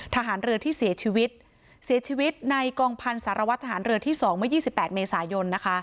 ทหารเรือที่เสียชีวิตเสียชีวิตในกองพันธ์สารวัตรทหารเรือที่๒เมื่อ๒๘เมษายน